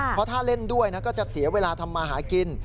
เพราะถ้าเล่นด้วยนะก็จะเสียเวลาทำมาหากิน